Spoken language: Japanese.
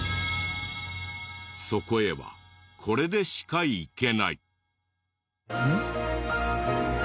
そこへはこれでしか行けない。